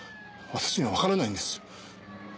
私にはわからないんです。